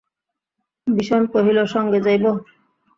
বিষণ কহিল সঙ্গে যাইব?